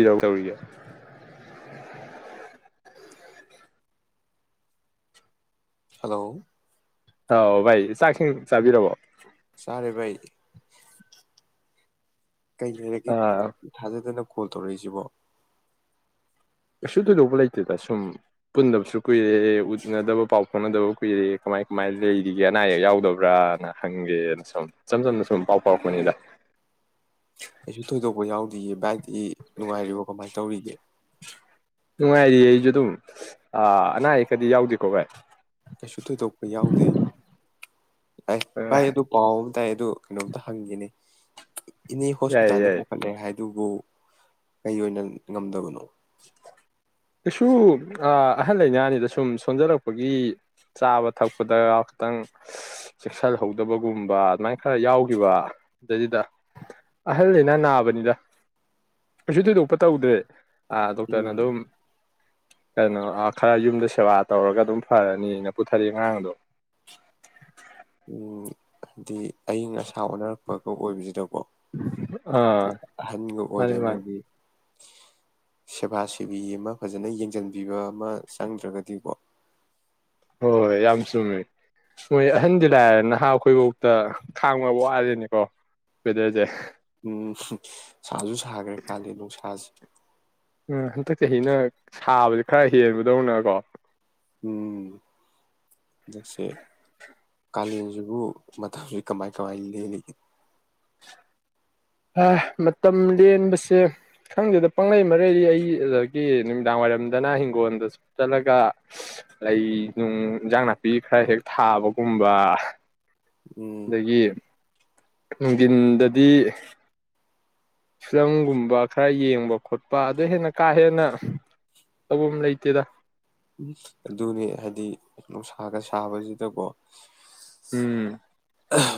ꯏꯔꯥꯡ ꯇꯧꯔꯤꯒꯦ [unintelligible] ꯍꯂꯣ ꯑꯥꯎ ꯚꯥꯏ ꯆꯥꯛꯁꯤꯡ ꯆꯥꯕꯤꯔꯕꯣ ꯆꯥꯔꯦ [unintelligible] ꯀꯩ ꯂꯩꯔꯒꯦ ꯑꯥ ꯊꯖꯗꯅ ꯀꯣꯜ ꯇꯧꯔꯛꯏꯁꯤꯕꯣ ꯀꯩꯁꯨ ꯊꯣꯏꯗꯣꯛꯄ ꯂꯩꯇꯦꯗ ꯁꯨꯝ ꯄꯨꯟꯗꯕꯁꯨ ꯀꯨꯏꯔꯦ ꯎꯅꯗꯕ ꯄꯥꯎ ꯐꯥꯎꯅꯗꯕ ꯀꯨꯏꯔꯦ ꯀꯃꯥꯏ ꯀꯃꯥꯏꯅ ꯂꯩꯔꯤꯒꯦ ꯑꯅꯥ ꯑꯌꯦꯛ ꯌꯥꯎꯗꯕ꯭ꯔꯥꯅ ꯍꯪꯒꯦꯅ ꯁꯨꯝ ꯏꯆꯝ ꯆꯝꯅ ꯁꯨꯝ ꯄꯥꯎ ꯄꯥꯎ ꯐꯥꯎꯔꯛꯄꯅꯤꯗ ꯀꯩꯁꯨ ꯊꯣꯏꯗꯣꯛꯄ ꯌꯥꯎꯗꯤꯌꯦ ꯚꯥꯏꯗꯤ ꯅꯨꯡꯉꯥꯏꯔꯤꯕꯣ ꯀꯃꯥꯏꯅ ꯇꯧꯔꯤꯒꯦ ꯅꯨꯡꯉꯥꯏꯔꯤꯌꯦ ꯑꯩꯁꯨ ꯗꯨꯝ ꯑ ꯑꯅꯥ ꯑꯌꯦꯛ ꯀꯗꯤ ꯌꯥꯎꯗꯦꯀꯣ ꯚꯥꯏ ꯀꯩꯁꯨ ꯊꯣꯏꯗꯣꯛꯄ ꯌꯥꯎꯗꯦ ꯄꯥꯏ ꯑꯥ ꯄꯥꯏꯌꯦ ꯗꯨ ꯄꯥꯎ ꯇꯥꯏ ꯑꯗꯨ ꯀꯩꯅꯣꯝꯇ ꯍꯪꯒꯦꯅꯦ ꯏꯅꯦ ꯌꯥꯏꯌꯦ ꯍꯣꯁꯄꯤꯇꯥꯟꯗ ꯌꯥꯏꯌꯦ ꯄꯨꯈꯠꯂꯦ ꯍꯥꯏ ꯑꯗꯨꯕꯨ ꯀꯩ ꯑꯣꯏꯅ ꯉꯝꯗꯕꯅꯣ ꯀꯩꯁꯨ ꯑ ꯑꯍꯜ ꯂꯩꯅꯥꯅꯤꯗ ꯁꯨꯝ ꯁꯣꯟꯖꯜꯂꯛꯄꯒꯤ ꯆꯥꯕ ꯊꯛꯄꯗ ꯈꯤꯇꯪ ꯆꯦꯛꯁꯤꯜꯍꯧꯗꯕꯒꯨꯝꯕ ꯑꯗꯨꯃꯥꯏ ꯈꯔ ꯌꯥꯎꯈꯤꯕ ꯗꯩꯗꯨꯗ ꯑꯍꯜ ꯂꯩꯅꯥ ꯅꯥꯕꯅꯤꯗ ꯀꯩꯁꯨ ꯊꯣꯏꯗꯣꯛꯄ ꯇꯧꯗ꯭ꯔꯦ ꯑꯥ ꯗꯣꯛꯇ꯭ꯔꯅ ꯎꯝ ꯗꯨꯝ ꯀꯩꯅꯣ ꯑꯥ ꯈꯔ ꯌꯨꯝꯗ ꯁꯦꯕꯥ ꯇꯧꯔꯒ ꯑꯗꯨꯝ ꯐꯔꯅꯤꯅ ꯄꯨꯊꯔꯛꯑꯦ ꯉꯔꯥꯡ ꯑꯗꯨꯝ ꯎꯝ ꯗꯤ ꯑꯌꯤꯡ ꯑꯁꯥ ꯑꯣꯅꯔꯛꯄꯒ ꯑꯣꯏꯕꯁꯤꯗ ꯑꯣ ꯑꯥ ꯍꯥꯏꯗꯤ ꯑꯍꯟꯒ ꯑꯣꯏꯔꯦ ꯃꯥꯅꯤ ꯃꯥꯅꯤ ꯃꯣꯏꯗꯤ ꯁꯦꯕꯥ ꯁꯤꯦꯕꯤ ꯑꯃ ꯐꯖꯅ ꯌꯦꯡꯁꯤꯟꯕꯤꯕ ꯑꯃ ꯆꯪꯗ꯭ꯔꯒꯗꯤꯀꯣ ꯍꯣꯏ ꯍꯣꯏ ꯌꯥꯝ ꯆꯨꯝꯃꯦ ꯃꯣꯏ ꯑꯍꯟꯗꯤ ꯂꯥꯏꯦ ꯅꯍꯥ ꯑꯩꯈꯣꯏꯐꯥꯎꯇ ꯈꯥꯡꯕ ꯋꯥꯠꯂꯤꯦꯅꯤꯀꯣ ꯋꯦꯗꯔꯁꯦ ꯎꯝ ꯁꯥꯁꯨ ꯁꯥꯈ꯭ꯔꯦ ꯀꯥꯜꯂꯤ ꯅꯨꯡꯁꯥꯁꯦ ꯎ ꯍꯟꯗꯛ ꯆꯍꯤꯅ ꯁꯥꯕꯁ ꯈꯔ ꯍꯦꯟꯕꯗꯧꯅꯀꯣ ꯎꯝꯗꯛꯁ ꯀꯥꯂꯦꯟꯁꯤꯕꯨ ꯃꯇꯝꯁꯤ ꯀꯃꯥꯏ ꯀꯃꯥꯏ ꯂꯜꯂꯤꯒꯦ ꯃꯇꯝ ꯂꯦꯟꯕꯁꯦ ꯈꯪꯗꯦꯗ ꯄꯪꯂꯩ ꯃꯔꯩꯗꯤ ꯑꯩ ꯑꯗꯨꯗꯒꯤ ꯅꯨꯃꯤꯗꯥꯡ ꯋꯥꯏꯔꯝꯗꯅ ꯍꯤꯡꯒꯣꯜꯗ ꯆꯠꯂꯒ ꯂꯩ ꯅꯨꯡ ꯏꯟꯖꯥꯡ ꯅꯥꯄꯤ ꯈꯔ ꯍꯦꯛ ꯊꯥꯕꯒꯨꯝꯕ ꯎꯝ ꯑꯗꯒꯤ ꯅꯨꯡꯊꯤꯟꯗꯗꯤ ꯐꯤꯂꯝꯪꯒꯨꯝꯕ ꯈꯔ ꯌꯦꯡꯕ ꯈꯣꯠꯄ ꯑꯗꯨ ꯍꯦꯟꯅ ꯀꯥ ꯍꯦꯟꯅ ꯇꯧꯕ ꯂꯩꯇꯦꯗ ꯑꯗꯨꯅꯦ ꯍꯥꯏꯗꯤ ꯅꯨꯡꯁꯥꯒ ꯁꯥꯕꯁꯤꯗꯀꯣ ꯎꯝ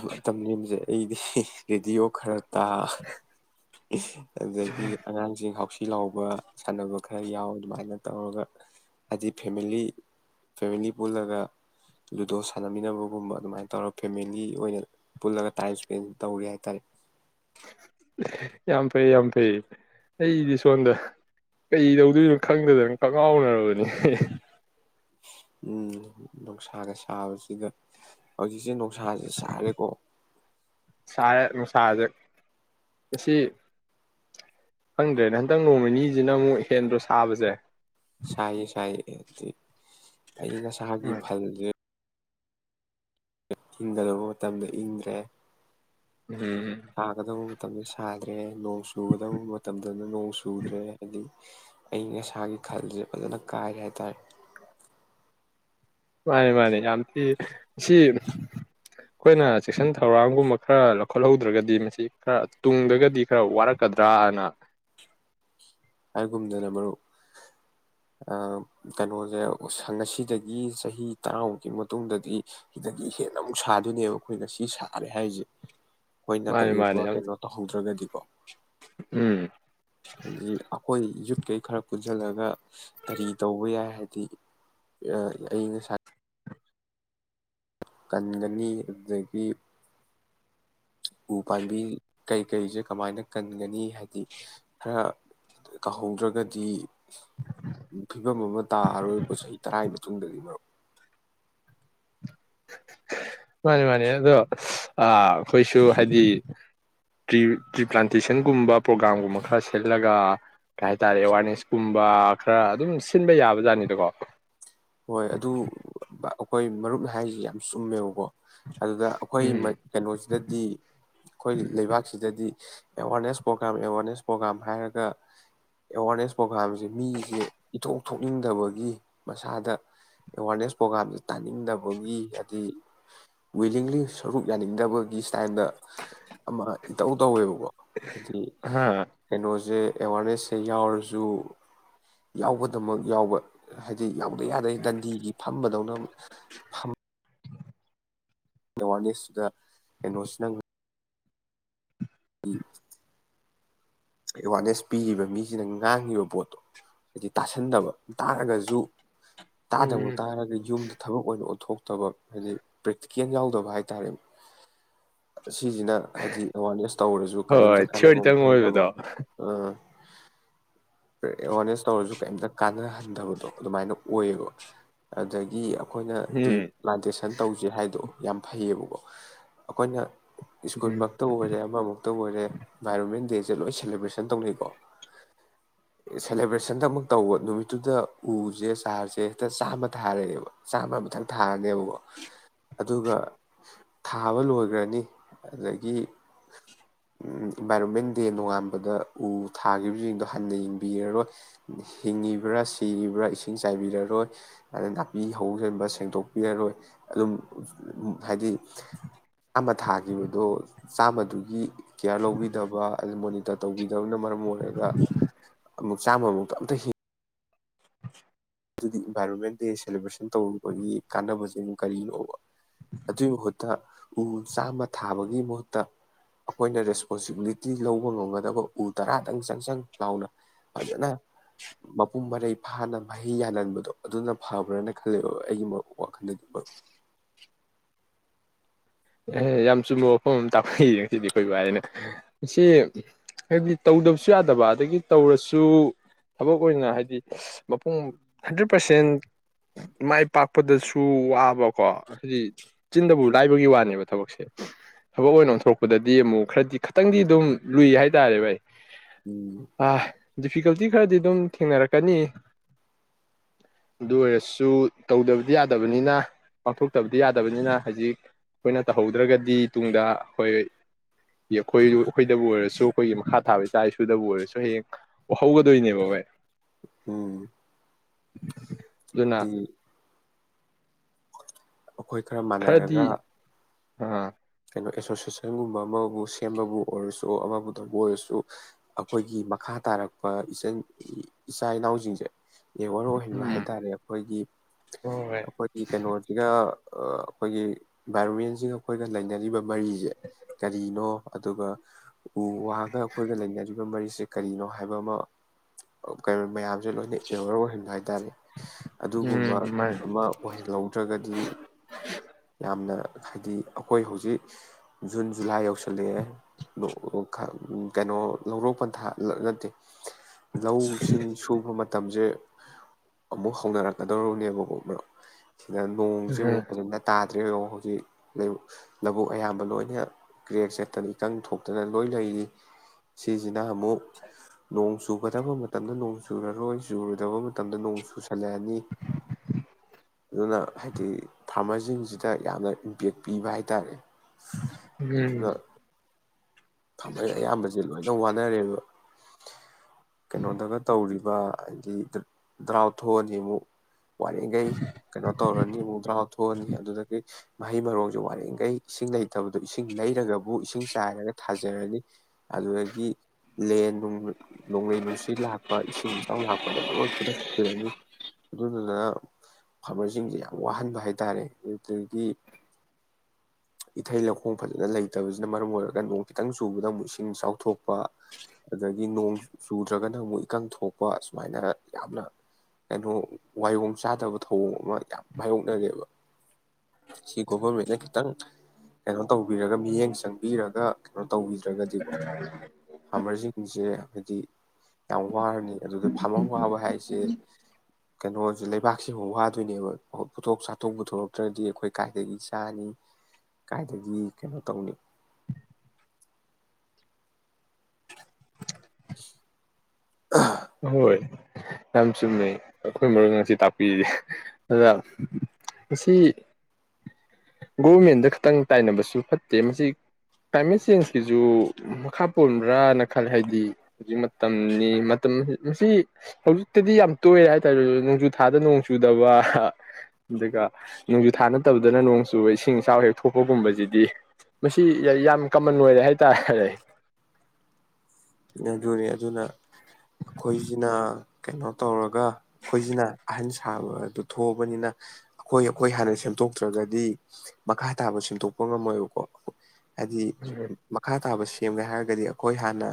ꯃꯇꯝꯁꯦ [unintelligible] ꯑꯩꯗꯤ ꯔꯦꯗꯤꯑꯣ ꯈꯔ ꯇꯥ ꯑꯗꯒꯤ ꯑꯉꯥꯡꯁꯤꯡ ꯍꯥꯎꯆ ꯐꯤꯜ ꯂꯥꯎꯕ ꯁꯥꯟꯅꯕ ꯈꯔ ꯌꯥꯎ ꯑꯗꯨꯃꯥꯏꯅ ꯇꯧꯔꯒ ꯍꯥꯏꯗꯤ ꯐꯦꯃꯤꯂꯤ ꯐꯦꯃꯤꯂꯤ ꯄꯨꯜꯂꯒ ꯂꯨꯗꯣ ꯁꯥꯟꯅꯃꯤꯟꯅꯕꯒꯨꯝꯕ ꯑꯗꯨꯃꯥꯏꯅ ꯇꯧꯔ ꯐꯦꯃꯤꯂꯤ ꯑꯣꯏꯅ ꯄꯨꯜꯂꯒ ꯇꯥꯏꯝ ꯏꯁꯄꯦꯟ ꯇꯧꯔꯤꯦ ꯍꯥꯏꯇꯥꯔꯦ ꯌꯥꯝ ꯐꯩ ꯌꯥꯝ ꯐꯩ ꯑꯩꯗꯤ ꯁꯣꯝꯗ ꯀꯩ ꯇꯧꯗꯣꯏꯅꯣ ꯈꯪꯗꯗꯅ ꯀꯪꯉꯥꯎꯅꯔꯕꯅꯤ ꯑꯩ ꯎꯝ ꯅꯨꯡꯁꯥꯒ ꯁꯥꯕꯁꯤꯒ ꯍꯧꯖꯤꯛꯁꯦ ꯅꯨꯡꯁꯥꯁꯦ ꯁꯥꯔꯦꯀꯣ ꯁꯥꯗ꯭ꯔꯦ ꯃꯁꯤ ꯈꯪꯗ꯭ꯔꯦꯅꯦ ꯍꯟꯗꯛ ꯅꯣꯡꯃ ꯅꯤꯁꯤꯅ ꯑꯃꯨꯛ ꯍꯦꯟꯗ꯭ꯔꯣ ꯁꯥꯕꯁꯦ ꯁꯌꯦ ꯁꯌꯦ ꯑꯏꯪ ꯑꯁꯥꯒꯤ ꯎꯝ ꯐꯜꯁꯦ ꯏꯪꯒꯗꯕ ꯃꯇꯝꯗ ꯏꯪꯗ꯭ꯔꯦ ꯎꯝꯝ ꯝꯁꯗ꯭ꯔꯦ ꯅꯣꯡ ꯆꯨꯒꯗꯕ ꯃꯇꯝꯗꯅ ꯅꯣꯡ ꯆꯨꯗ꯭ꯔꯦ ꯍꯥꯏꯗꯤ ꯑꯏꯪ ꯑꯁꯥꯒꯤ ꯈꯜꯁꯦ ꯐꯖꯅ ꯀꯥꯔꯤꯦ ꯍꯥꯏꯇꯥꯔꯦ ꯃꯥꯅꯤ ꯃꯥꯅꯤ ꯌꯥꯝ ꯊꯤ ꯃꯁꯤ ꯑꯩꯈꯣꯏꯅ ꯆꯦꯛꯁꯤꯟ ꯊꯧꯔꯥꯡꯒꯨꯝꯕ ꯈꯔ ꯂꯧꯈꯠꯍꯧꯗ꯭ꯔꯒꯗꯤ ꯃꯁꯤ ꯈꯔ ꯇꯨꯡꯗꯒꯗꯤ ꯈꯔ ꯋꯥꯔꯛꯀꯗ꯭ꯔꯥꯅ ꯍꯥꯏꯒꯨꯝꯗꯅꯦ ꯃꯔꯨꯞ ꯀꯩꯅꯣꯁꯦ ꯉꯁꯤꯗꯒꯤ ꯆꯍꯤ ꯇꯔꯥꯃꯨꯛꯀꯤ ꯃꯇꯨꯡꯗꯗꯤ ꯁꯤꯗꯒꯤ ꯍꯦꯟꯅ ꯑꯃꯨꯛ ꯁꯥꯗꯣꯏꯅꯦꯕ ꯑꯩꯈꯣꯏ ꯉꯁꯤ ꯁꯥꯔꯦ ꯍꯥꯏꯔꯤꯁꯦ ꯑꯩꯈꯣꯏꯅ ꯃꯥꯅꯤ ꯃꯥꯅꯤ ꯀꯩꯒꯨꯝꯕ ꯌꯥꯝ ꯀꯩꯅꯣ ꯇꯧꯍꯧꯗ꯭ꯔꯒꯗꯤ ꯎꯝ ꯖꯤ ꯑꯩꯈꯣꯏ ꯌꯨꯠꯀꯩ ꯈꯔ ꯄꯨꯟꯁꯤꯜꯂꯒ ꯀꯔꯤ ꯇꯧꯕ ꯌꯥꯏ ꯍꯥꯏꯗꯤ ꯑꯏꯪ ꯑꯁꯥꯏ ꯀꯟꯒꯅꯤ ꯑꯗꯨꯗꯒꯤ ꯎ ꯄꯥꯝꯕꯤ ꯀꯩꯀꯩꯁꯦ ꯀꯃꯥꯏꯅ ꯀꯟꯒꯅꯤ ꯍꯥꯏꯗꯤ ꯈꯔ ꯀꯧꯍꯧꯗ꯭ꯔꯒꯗꯤ ꯐꯤꯕꯝ ꯑꯃ ꯇꯥꯔꯔꯣꯏꯕꯀꯣ ꯆꯍꯤ ꯇꯔꯥꯒꯤ ꯃꯇꯨꯡꯗꯗꯤ ꯃꯔꯨꯞ ꯃꯥꯅꯤ ꯃꯥꯅꯤ ꯑꯗꯣ ꯑꯩꯈꯣꯏꯁꯨ ꯍꯥꯏꯗꯤ ꯇ꯭ꯔꯤ ꯇ꯭ꯔꯤ ꯄ꯭ꯂꯥꯟꯇꯦꯁꯟꯒꯨꯝꯕ ꯄ꯭ꯔꯣꯒ꯭ꯔꯥꯝꯒꯨꯝꯕ ꯈꯔ ꯁꯤꯜꯂꯒ ꯀꯩ ꯍꯥꯏꯇꯥꯔꯦ ꯑꯦꯋꯥꯔꯅꯦꯁꯀꯨꯝꯕ ꯈꯔ ꯑꯗꯨꯝ ꯁꯤꯟꯕ ꯌꯥꯕꯖꯥꯠꯅꯤꯗꯀꯣ ꯍꯣꯏ ꯑꯗꯨ [unintelligible] ꯍꯣꯏ ꯃꯔꯨꯞꯅ ꯍꯥꯏꯁꯤ ꯌꯥꯝ ꯆꯨꯝꯃꯦꯕꯀꯣ ꯑꯗꯨꯗ ꯎꯝ ꯑꯩꯈꯣꯏ ꯀꯩꯅꯣꯁꯤꯗꯗꯤ ꯑꯩꯈꯣꯏ ꯂꯩꯕꯥꯛꯁꯤꯗꯗꯤ ꯑꯦꯋꯥꯔꯅꯦꯁ ꯄ꯭ꯔꯣꯒ꯭ꯔꯥꯝ ꯑꯦꯋꯥꯔꯅꯦꯁ ꯄ꯭ꯔꯣꯒ꯭ꯔꯥꯝ ꯍꯥꯏꯔꯒ ꯑꯦꯋꯥꯔꯅꯦꯁ ꯄ꯭ꯔꯣꯒ꯭ꯔꯥꯝꯁꯦ ꯃꯤꯁꯦ ꯏꯊꯣꯛ ꯊꯣꯛꯅꯤꯡꯗꯕꯒꯤ ꯃꯁꯥꯗ ꯑꯦꯋꯥꯔꯅꯦꯁ ꯄ꯭ꯔꯣꯒꯥ꯭ꯔꯝꯁꯦ ꯇꯥꯅꯤꯡꯗꯕꯒꯤ ꯍꯥꯏꯗꯤ ꯋꯤꯂꯤꯡꯂꯤ ꯁꯔꯨꯛ ꯌꯥꯅꯤꯡꯗꯕꯒꯤ [unintelligible] ꯇꯥꯏꯝꯗ ꯑꯃ ꯏꯇꯧ ꯇꯧꯋꯦꯕ [unintelligible] [unintelligible] ꯍꯥꯏꯗꯤ ꯍꯥ ꯀꯩꯅꯣꯁꯦ ꯑꯦꯋꯥꯔꯅꯦꯁꯁꯦ ꯌꯥꯎꯔꯁꯨ ꯌꯥꯎꯕꯗꯃꯛ ꯌꯥꯎꯕ ꯍꯥꯏꯗꯤ ꯂꯧꯗ ꯌꯥꯗꯦ ꯗꯟꯗꯤꯒꯤ ꯐꯝꯕꯗꯧꯅ ꯐꯝ ꯑꯦꯋꯥꯔꯅꯦꯁꯇꯨꯗ ꯀꯩꯅꯣꯁꯨ [unintelligible] ꯅꯪꯈ꯭ ꯎ [unintelligible] ꯑꯦꯋꯥꯔꯅꯦꯁ ꯄꯤꯔꯤꯕ ꯃꯤꯁꯤꯅ ꯉꯥꯡꯉꯤꯕ ꯄꯣꯠꯇꯣ ꯇꯥꯁꯟꯗꯕ ꯇꯥꯔꯒꯁꯨ ꯇꯥꯗꯝꯛ ꯎꯝ ꯇꯥꯔꯒ ꯌꯨꯝꯗ ꯊꯕꯛ ꯑꯣꯏꯅ ꯎꯠꯊꯣꯛ ꯇꯧꯕ ꯍꯥꯏꯗꯤ ꯄ꯭ꯔꯦꯛꯇꯤꯀꯦꯜ ꯌꯥꯎꯗꯕ ꯍꯥꯏꯇꯥꯔꯦ ꯁꯤꯁꯤꯅ ꯍꯥꯏꯗꯤ ꯑꯦꯋꯥꯔꯅꯦꯁ ꯇꯧꯔꯁꯨ ꯍꯣꯏ ꯀꯔꯤꯝꯇ ꯀꯥꯟꯅꯕꯝ ꯊꯤꯑꯣꯔꯤꯇꯪ ꯈꯪꯗꯕ ꯑꯣꯏꯕꯗꯣ ꯑ ꯑꯦꯋꯥꯔꯅꯦꯁ ꯇꯧꯔꯁꯨ ꯀꯩꯇ ꯀꯥꯟꯅꯍꯟꯊꯕꯗꯣ ꯑꯗꯨꯃꯥꯏꯅ ꯑꯣꯏꯌꯦꯕ ꯑꯗꯒꯤ ꯑꯩꯈꯣꯏꯅ ꯇꯔꯤ ꯎꯝ ꯄ꯭ꯂꯥꯟꯇꯦꯁꯟ ꯇꯧꯖꯦ ꯍꯥꯏꯗꯣ ꯌꯥꯝ ꯐꯩꯌꯦꯕꯀꯣ ꯑꯩꯈꯣꯏꯅ ꯁ꯭ꯀꯨꯜ ꯎꯝ ꯃꯛꯇꯕꯨ ꯑꯣꯏꯔꯦ ꯑꯃꯃꯛꯇꯕꯨ ꯑꯣꯏꯔꯦ ꯏꯟꯚꯥꯏꯔꯣꯟꯃꯦꯟ ꯗꯦ ꯂꯣꯏ [unintelligible] ꯁꯦꯂꯦꯕ꯭ꯔꯦꯁꯟ ꯇꯧꯅꯩꯀꯣ ꯁꯦꯂꯦꯕ꯭ꯔꯦꯁꯟꯗꯨ ꯇꯧꯕ ꯅꯨꯃꯤꯠꯇꯨꯗ ꯎꯁꯦ ꯆꯥꯔꯁꯦ ꯍꯦꯛꯇ ꯆꯥꯝꯃ ꯊꯥꯔꯛꯑꯦꯕ ꯆꯥꯝꯃ ꯃꯊꯪ ꯊꯥꯔꯅꯦꯕ ꯑꯗꯨꯒ ꯊꯥꯕ ꯂꯣꯏꯈ꯭ꯔꯅꯤ ꯑꯗꯒꯤ ꯏꯟꯚꯥꯏꯔꯣꯟꯃꯦꯟ ꯗꯦ ꯅꯣꯡꯉ ꯗ ꯎ ꯊꯥꯈꯤꯕꯁꯤꯡꯗꯣ ꯍꯟꯅ ꯌꯦꯡꯕꯤꯔꯔꯣꯏ ꯍꯤꯡꯉꯤꯕ꯭ꯔꯥ ꯁꯤꯔꯤꯕ꯭ꯔꯥ ꯏꯁꯤꯡ ꯆꯥꯏꯕꯤꯔꯔꯣꯏ ꯑꯗ ꯅꯥꯄꯤ ꯍꯧꯁꯟꯕ ꯁꯦꯡꯗꯣꯛꯄꯤꯔꯔꯣꯏ ꯑꯗꯨꯝ ꯍꯥꯏꯗꯤ ꯃ ꯊꯥꯈꯤꯕꯗꯣ ꯆꯥꯝꯃꯗꯨꯒꯤ ꯀꯤꯌꯔ ꯂꯧꯕꯤꯗꯕ ꯃꯣꯅꯤ ꯇꯔꯇꯧꯕꯤ ꯗꯕꯅ ꯃꯔꯝ ꯑꯣꯏꯔꯒ ꯑꯃꯨꯛ ꯆꯥꯝꯃꯃꯨꯛꯇ ꯑꯝꯇ ꯍꯤꯡ ꯑꯗꯨꯗꯤ ꯏꯟꯚꯥꯏꯔꯣꯟꯃꯦꯟ ꯗꯦ ꯁꯦꯂꯦꯕ꯭ꯔꯦꯁꯟ ꯇꯧꯔꯨꯕꯒꯤ ꯀꯥꯟꯅꯕꯁꯦ ꯀꯔꯤꯅꯣꯕ ꯑꯗꯨꯏ ꯃꯍꯨꯠꯇ ꯎ ꯆꯥꯝꯃ ꯊꯥꯕꯒꯤ ꯃꯍꯨꯠꯇ ꯑꯩꯈꯣꯏꯅ ꯔꯦꯁꯄꯣꯟꯁꯤꯕꯤꯂꯤꯇꯤ ꯂꯧꯕ ꯉꯝꯒꯗꯕ ꯎ ꯇꯔꯥꯗꯪ ꯆꯪ ꯆꯪ ꯂꯥꯎꯅ ꯐꯖꯅ ꯃꯄꯨꯡ ꯃꯔꯩ ꯐꯥꯅ ꯃꯍꯩ ꯌꯥꯜꯍꯟꯕꯗꯣ ꯑꯗꯨꯅ ꯐꯕ꯭ꯔꯅ ꯈꯜꯂꯦꯕ ꯑꯩꯒꯤ ꯋꯥꯈꯜꯗꯗꯤ ꯑꯦꯍ ꯌꯥꯝ ꯆꯨꯝꯕ ꯋꯥꯐꯝ ꯑꯃ ꯇꯥꯛꯄꯤꯔꯦ ꯉꯁꯤꯗꯤ ꯑꯩꯈꯣꯏ ꯚꯥꯏꯅ ꯁꯤ ꯍꯥꯏꯗꯤ ꯇꯧꯗꯕꯁꯨ ꯌꯥꯗꯕ ꯑꯗꯒꯤ ꯇꯧꯔꯁꯨ ꯊꯕꯛ ꯑꯣꯏꯅ ꯍꯥꯏꯗꯤ ꯃꯄꯨꯡ ꯍꯟꯗ꯭ꯔꯦꯠ ꯄꯥꯔꯁꯦꯟ ꯃꯥꯏ ꯄꯥꯛꯄꯗꯁꯨ ꯋꯥꯕꯀꯣ ꯍꯥꯏꯗꯤ ꯆꯤꯟꯗꯕꯨ ꯂꯥꯏꯕꯒꯤ ꯋꯥꯅꯦꯕ ꯊꯕꯛꯁꯦ ꯊꯕꯛ ꯑꯣꯏꯅ ꯑꯣꯟꯊꯣꯔꯛꯄꯗꯗꯤ ꯑꯃꯨꯛ ꯈꯔꯗꯤ ꯈꯇꯪꯗꯤ ꯑꯗꯨꯝ ꯂꯨꯏ ꯍꯥꯏꯇꯥꯔꯦꯕ ꯚꯥꯏ ꯎꯝ ꯑ ꯗꯤꯐꯤꯀꯜꯇꯤ ꯈꯔꯗꯤ ꯑꯗꯨꯝ ꯊꯦꯡꯅꯔꯛꯀꯅꯤ ꯑꯗꯨ ꯑꯣꯏꯔꯁꯨ ꯇꯧꯗꯕꯗꯤ ꯌꯥꯗꯕꯅꯤꯅ ꯄꯥꯡꯊꯣꯛꯇꯕꯗꯤ ꯌꯥꯗꯕꯅꯤꯅ ꯍꯧꯖꯤꯛ ꯑꯩꯈꯣꯏꯅ ꯇꯧꯍꯧꯗ꯭ꯔꯒꯗꯤ ꯇꯨꯡꯗ ꯑꯩꯈꯣꯏ ꯑꯩꯈꯣꯏꯗꯕꯨ ꯑꯣꯏꯔꯁꯨ ꯑꯩꯈꯣꯏꯒꯤ ꯃꯈꯥ ꯊꯥꯕ ꯏꯆꯥ ꯏꯁꯨꯗꯕꯨ ꯑꯣꯏꯔꯁꯨ ꯍꯌꯦꯡ ꯋꯥꯍꯧꯒꯗꯣꯏꯅꯦꯕ ꯚꯥꯏ ꯎꯝ ꯑꯗꯨꯅꯥ ꯑꯩꯈꯣꯏ ꯈꯔ ꯃꯥꯟꯅꯔꯒ ꯑ ꯀꯩꯅꯣ ꯑꯦꯁꯣꯁꯤꯌꯦꯁꯟꯒꯨꯝꯕ ꯑꯃꯕꯨ ꯁꯦꯝꯕꯕꯨ ꯑꯣꯏꯔꯁꯨ ꯑꯃꯕꯨ ꯇꯧꯕꯨ ꯑꯣꯏꯔꯁꯨ ꯑꯩꯈꯣꯏꯒꯤ ꯃꯈꯥ ꯇꯥꯔꯛꯄ ꯏꯆꯟ ꯏꯆꯥ ꯏꯅꯥꯎꯁꯤꯡꯁꯦ ꯑꯦꯋꯔ ꯑꯣꯏꯍꯟꯕ ꯎꯝ ꯍꯥꯏꯇꯥꯔꯦ ꯑꯩꯈꯣꯏꯒꯤ ꯍꯣꯏ ꯑꯩꯈꯣꯏꯒꯤ ꯀꯩꯅꯣꯁꯤꯒ ꯑꯩꯈꯣꯏꯒꯤ ꯏꯟꯚꯥꯏꯔꯣꯟꯃꯦꯟꯁꯤꯒ ꯑꯩꯈꯣꯏ ꯂꯩꯅꯔꯤꯕ ꯃꯔꯤꯁꯦ ꯀꯔꯤꯅꯣ ꯑꯗꯨꯒ ꯎ ꯋꯥꯒ ꯑꯩꯈꯣꯏꯒ ꯂꯩꯅꯔꯤꯕ ꯃꯔꯤꯁꯦ ꯀꯔꯤꯅꯣ ꯍꯥꯏꯕ ꯑꯃ ꯃꯌꯥꯝ ꯁꯦ ꯂꯣꯏꯅ ꯑꯦꯋꯔ ꯑꯣꯏꯍꯟꯕ ꯍꯥꯏꯇꯥꯔꯦ ꯑꯗꯨꯒꯨꯝꯕ ꯎꯝ ꯃꯥꯅꯤ ꯑꯃ ꯑꯣꯏꯍꯜꯍꯧꯗ꯭ꯔꯒꯗꯤ ꯌꯥꯝꯅ ꯍꯥꯏꯗꯤ ꯑꯩꯈꯣꯏ ꯍꯧꯖꯤꯛ ꯖꯨꯟ ꯖꯨꯂꯥꯏ ꯌꯧꯁꯤꯜꯂꯛꯑꯦ ꯀꯩꯅꯣ ꯂꯧꯔꯣꯛ ꯄꯟꯊꯥ ꯅꯠꯇꯦ ꯂꯧ ꯁꯤꯡ ꯁꯨꯕ ꯃꯇ ꯃꯇꯝꯁꯦ ꯑꯃꯨꯛ ꯍꯧꯅꯔꯛꯀꯗꯧꯔꯕꯅꯦꯕꯀꯣ ꯁꯤꯗꯥ ꯅꯣꯪꯁꯦ ꯑꯃꯨꯛ ꯎꯝ ꯐꯖꯅ ꯇꯥꯗ꯭ꯔꯦꯣ ꯍꯧꯖꯤꯛ ꯂꯧꯕꯨꯛ ꯑꯌꯥꯝꯕ ꯂꯣꯏꯅ ꯀ꯭ꯔꯦꯛ ꯆꯠꯇꯅ ꯏꯀꯪ ꯊꯣꯛꯇꯅ ꯂꯣꯏ ꯂꯩꯔꯤ ꯁꯤꯁꯤꯅ ꯑꯃꯨꯛ ꯅꯣꯡ ꯆꯨꯒꯗꯕ ꯃꯇꯝꯗ ꯅꯣꯡ ꯆꯨꯔꯔꯣꯏ ꯆꯨꯔꯨꯗꯕ ꯃꯇꯝꯗ ꯅꯣꯡ ꯆꯨꯁꯜꯂꯛꯑꯅꯤ ꯑꯗꯨꯅ ꯍꯥꯏꯗꯤ ꯐꯥꯔꯃꯥꯁꯤ ꯁꯤꯡꯁꯤꯗ ꯌꯥꯝꯅ ꯏꯝꯄꯦꯛ ꯄꯤꯕ ꯍꯥꯏꯇꯥꯔꯦ ꯎꯝ ꯗꯔꯃꯦꯔ ꯑꯌꯥꯝꯕꯁꯦ ꯂꯣꯏꯅ ꯅꯪ ꯋꯥꯅꯔꯦꯕ ꯀꯩꯅꯣꯗꯒ ꯇꯧꯔꯤꯕ ꯍꯥꯏꯗꯤ ꯗ꯭ꯔꯥꯎꯠ ꯊꯣꯛꯑꯅꯤ ꯑꯃꯨꯛ ꯋꯥꯔꯤꯈꯩ ꯀꯩꯅꯣ ꯇꯧꯔꯅꯤ ꯑꯃꯨꯛ ꯗ꯭ꯔꯥꯎꯠ ꯊꯣꯛꯑꯅꯤ ꯑꯗꯨꯗꯒꯤ ꯃꯍꯩ ꯃꯔꯣꯡꯖꯨ ꯋꯥꯔꯦꯡꯈꯩ ꯏꯁꯤꯡ ꯂꯩꯇꯕꯗꯣ ꯏꯁꯤꯡ ꯂꯩꯔꯒ ꯑꯃꯨꯛ ꯏꯁꯤꯡ ꯆꯥꯏꯔꯒ ꯊꯥꯖꯔꯅꯤ ꯑꯗꯨꯗꯒꯤ ꯂꯦꯟ ꯅꯣꯡꯂꯩ ꯅꯨꯡꯁꯤꯠ ꯂꯥꯛꯄ ꯏꯁꯤꯡ ꯏꯆꯥꯎ ꯂꯥꯛꯄꯗ ꯂꯣꯏ ꯈꯨꯗꯛ ꯁꯔꯅꯤ ꯑꯗꯨꯗꯨꯅ ꯐꯥꯔꯃꯔꯁꯤꯡꯁꯦ ꯌꯥꯝ ꯋꯥꯍꯟꯕ ꯍꯥꯏꯇꯥꯔꯦ ꯑꯗꯨꯗꯒꯤ ꯏꯊꯩ ꯂꯧꯈꯣꯡ ꯐꯖꯅ ꯂꯩꯇꯕꯁꯤꯅ ꯃꯔꯝ ꯑꯣꯏꯔꯒ [unintelligible] ꯈꯤꯇꯪ ꯆꯨꯕꯗ ꯑꯃꯨꯛ ꯏꯁꯤꯡ ꯆꯥꯎꯊꯣꯛꯄ ꯑꯗꯒꯤ ꯅꯣꯡ ꯆꯨꯗ꯭ꯔꯒꯅ ꯑꯃꯨꯛ ꯏꯀꯪ ꯊꯣꯛꯄ ꯁꯨꯃꯥꯏꯅ ꯌꯥꯝꯅ ꯀꯩꯅꯣ ꯋꯥꯌꯣꯡ ꯆꯥꯗꯕ ꯊꯧꯑꯣꯡ ꯑꯃ ꯌꯥꯝ ꯃꯥꯏꯌꯣꯛꯅꯔꯦꯕ ꯁꯤ ꯒꯣꯚꯔꯃꯦꯟꯅ ꯈꯤꯇꯪ ꯀꯩꯅꯣ ꯇꯧꯕꯤꯔꯒ ꯃꯤꯠꯌꯦꯡ ꯆꯪꯕꯤꯔꯒ ꯀꯩꯅꯣ ꯇꯧꯒꯤꯗ꯭ꯔꯒꯗꯤꯀꯣ ꯐꯥꯔꯃꯔꯁꯤꯡꯁꯦ ꯍꯥꯏꯁꯦ ꯌꯥꯝ ꯋꯥꯔꯅꯤ ꯑꯗꯨꯗ ꯐꯥꯔꯃꯔ ꯋꯥꯕ ꯍꯥꯏꯁꯦ ꯀꯩꯅꯣꯁꯦ ꯂꯩꯕꯥꯛꯁꯤꯐꯥꯎ ꯋꯥꯗꯣꯏꯅꯦꯕ ꯄꯣꯊꯣꯛ ꯆꯥꯊꯣꯛ ꯄꯨꯊꯣꯔꯛꯇ꯭ꯔꯗꯤ ꯑꯩꯈꯣꯏ ꯀꯥꯏꯗꯒꯤ ꯆꯥꯅꯤ ꯀꯥꯏꯗꯒꯤ ꯀꯩꯅꯣ ꯇꯧꯅꯤ [inaudible] ꯍꯣꯏ ꯌꯥꯝ ꯆꯨꯝꯃꯦꯩ ꯑꯩꯈꯣꯏ ꯃꯔꯣꯏ ꯉꯁꯤ ꯇꯥꯛꯄꯤꯔꯤꯦ ꯑꯗ ꯃꯁꯤ ꯒꯣꯔꯃꯦꯟꯗ ꯈꯈꯤꯇꯪ ꯇꯥꯏꯅꯕꯁꯨ ꯐꯠꯇꯦ ꯃꯁꯤ ꯀ꯭ꯂꯥꯏꯃꯦꯠ ꯆꯦꯟꯖꯀꯤꯁꯨ ꯃꯈꯥ ꯄꯣꯟꯕ꯭ꯔꯅ ꯈꯜꯂꯦ ꯍꯥꯏꯗꯤ ꯍꯧꯖꯤꯛ ꯃꯇꯝꯅꯤ ꯃꯁꯤ ꯍꯧꯖꯤꯛꯇꯗꯤ ꯌꯥꯝ ꯇꯣꯏꯔꯦ ꯍꯥꯏꯇꯥꯔꯦ ꯅꯣꯡꯖꯨꯊꯥꯗ ꯅꯣꯡ ꯆꯨꯗꯕ ꯑꯗꯨꯒ ꯅꯣꯡꯖꯨ ꯊꯥ ꯅꯠꯇꯕꯗꯅ ꯅꯣꯡ ꯆꯨꯕ ꯏꯁꯤꯡ ꯏꯆꯥꯎ ꯍꯦꯛ ꯊꯣꯛꯄꯒꯨꯝꯕꯁꯤꯗꯤ ꯃꯁꯤ ꯌꯥꯝ ꯀꯃꯟ ꯑꯣꯏꯔꯦ ꯍꯥꯏꯇꯥꯥꯔꯦ ꯑꯗꯨꯅꯤ ꯑꯗꯨꯅ ꯑꯩꯈꯣꯏꯁꯤꯅ ꯀꯩꯅꯣ ꯇꯧꯔꯒ ꯑꯩꯈꯣꯏꯁꯤꯅ ꯑꯍꯟ ꯁꯥꯕ ꯑꯗꯨ ꯊꯣꯛꯑꯕꯅꯤꯅ ꯑꯩꯈꯣꯏ ꯑꯩꯈꯣꯏ ꯍꯥꯟꯅ ꯁꯦꯝꯗꯣꯛꯇ꯭ꯔꯒꯗꯤ ꯃꯈꯥ ꯇꯥꯕ ꯁꯦꯝꯗꯣꯛꯄ ꯉꯝꯃꯣꯏꯕꯀꯣ ꯍꯥꯏꯗꯤ ꯃꯈꯥ ꯇꯥꯕꯁꯤ [unintelligible] ꯍꯥꯏꯔꯒꯗꯤ ꯑꯩꯈꯣꯏ ꯍꯥꯟꯅ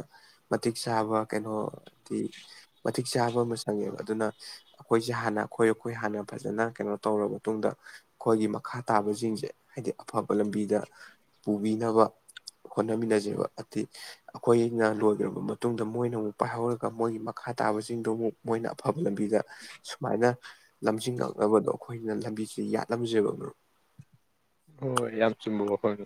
ꯃꯇꯤꯛ ꯆꯥꯕ ꯀꯩꯅꯣ ꯍꯥꯏꯗꯤ ꯃꯇꯤꯛ ꯆꯥꯕ ꯑꯃ ꯆꯪꯉꯦꯕ ꯑꯗꯨꯅ ꯑꯩꯈꯣꯏꯁꯦ ꯍꯥꯟꯅ ꯑꯩꯈꯣꯏ ꯑꯩꯈꯣꯏ ꯍꯥꯟꯅ ꯐꯖꯅ ꯀꯩꯅꯣ ꯇꯧꯔꯕ ꯃꯇꯨꯡꯗ ꯑꯩꯈꯣꯏꯒꯤ ꯃꯈꯥ ꯇꯥꯕꯁꯤꯡꯁꯦ ꯍꯥꯏꯗꯤ ꯑꯐꯕ ꯂꯝꯕꯤꯗ ꯄꯨꯕꯤꯅꯕ ꯍꯣꯠꯅꯃꯤꯟꯅꯖꯦꯕ ꯍꯥꯏꯗꯤ ꯑꯩꯈꯣꯏ ꯁꯤꯅ ꯂꯣꯏꯈꯔꯕ ꯃꯇꯨꯡꯗ ꯃꯣꯏꯅ ꯑꯃꯨꯛ ꯄꯥꯏꯍꯧꯔꯒ ꯃꯣꯏꯒꯤ ꯃꯈꯥꯇꯥꯕꯁꯤꯡꯗꯨ ꯑꯃꯨꯛ ꯃꯣꯏꯅ ꯑꯐꯕ ꯂꯝꯕꯤꯗ ꯁꯨꯃꯥꯏꯅ ꯂꯝꯖꯤꯡꯉꯛꯅꯕꯗꯣ ꯑꯩꯈꯣꯏꯅ ꯂꯝꯕꯤꯁꯤ ꯌꯥꯠꯂꯝꯖꯕ ꯃꯔꯣꯞ꯫ ꯍꯣꯏ ꯌꯥꯝ ꯆꯨꯝꯕ ꯋꯥꯈꯐꯝꯅꯤ